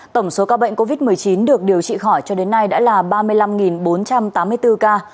tổng số ca bệnh covid một mươi chín được điều trị khỏi cho đến nay đã là ba mươi năm bốn trăm tám mươi bốn ca